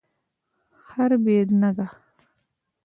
خر بی نګه